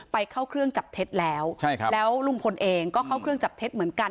ไปเข้าเครื่องจับเท็จแล้วใช่ครับแล้วลุงพลเองก็เข้าเครื่องจับเท็จเหมือนกัน